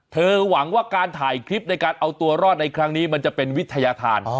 หวังว่าการถ่ายคลิปในการเอาตัวรอดในครั้งนี้มันจะเป็นวิทยาธาร